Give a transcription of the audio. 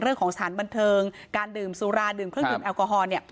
สถานบันเทิงการดื่มสุราดื่มเครื่องดื่มแอลกอฮอล์เนี่ย